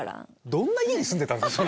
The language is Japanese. どんな家に住んでたんですか？